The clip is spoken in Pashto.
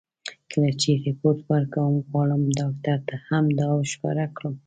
کله چې رېپورټ ورکوم، غواړم ډاکټر ته دا هم ور ښکاره کړم.